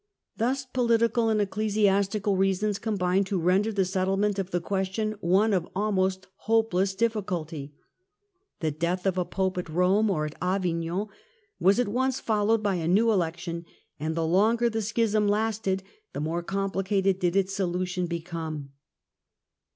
Thus political and ecclesiastical reasons combined to render the settlement of the question one of almost hopeless difficulty. The death of a Pope at Eome or at Avignon was at once followed by a new election, and the longer the Schism lasted the more complicated did its solution become.